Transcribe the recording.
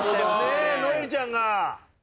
ねえ如恵留ちゃんが。